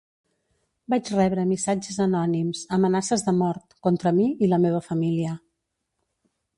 Vaig rebre missatges anònims, amenaces de mort, contra mi i la meva família.